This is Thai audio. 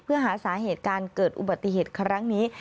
เพื่อหาสาเหตุการเกิดอุบัติเหตุครั้งนี้